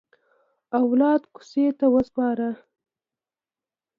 اولاد کوڅې ته وسپاره.